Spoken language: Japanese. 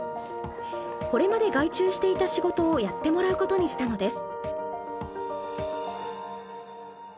これまで外注していた仕事をやってもらうことにしたのです。